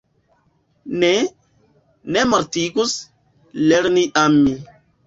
Ne, ne mortigus, lerni ami.